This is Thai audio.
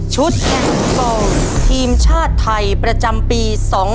ชุดแกนโฟล์ทีมชาติไทยประจำปี๒๐๑๙